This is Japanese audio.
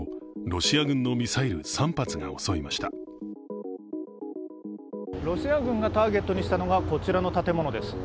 ロシア軍がターゲットにしたのがこちらの建物です。